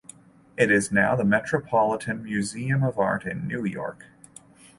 It is now in the Metropolitan Museum of Art in New York.